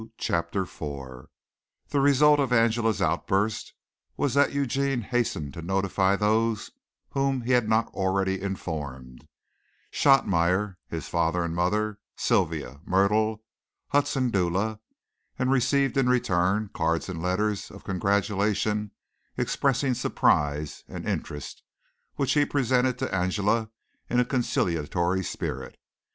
CHAPTER IV The result of Angela's outburst was that Eugene hastened to notify those whom he had not already informed Shotmeyer, his father and mother, Sylvia, Myrtle, Hudson Dula and received in return cards and letters of congratulation expressing surprise and interest, which he presented to Angela in a conciliatory spirit.